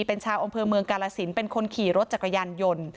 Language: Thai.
เป็นชาวอำเภอเมืองกาลสินเป็นคนขี่รถจักรยานยนต์